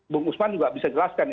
bung usman juga bisa jelaskan